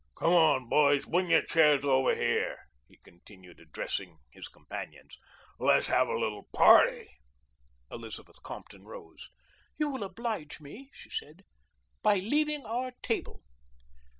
"Come on, boys! Bring your chairs over here," he continued, addressing his companions; "let's have a little party." Elizabeth Compton rose. "You will oblige me," she said, "by leaving our table."